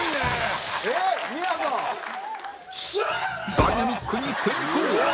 ダイナミックに転倒！